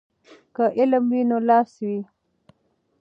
که علم وي نو لاس وي.